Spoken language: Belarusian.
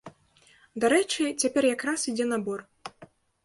Дарэчы, цяпер якраз ідзе набор.